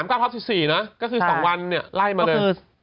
ก็คือ๒วันเนี่ยไล่มาเลย